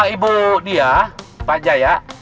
ibu dia pak jaya